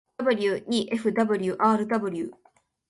wefwrw